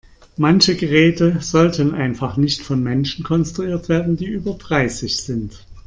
Manche Geräte sollten einfach nicht von Menschen konstruiert werden, die über dreißig sind.